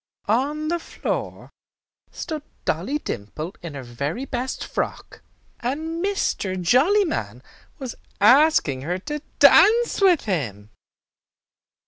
On the floor stood Dolly Dimple in her very best frock, and Mr. Jollyman was asking her to dance with him.